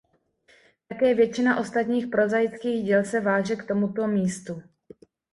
Také většina ostatních prozaických děl se váže k tomuto místu.